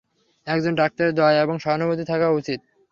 একজন ডাক্তারের দয়া এবং সহানুভূতি থাকা উচিৎ।